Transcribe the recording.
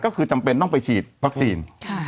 ก็คือจำเป็นต้องไปฉีดวัคซีน